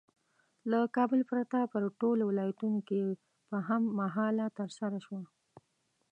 له کابل پرته په ټولو ولایتونو کې په هم مهاله ترسره شوه.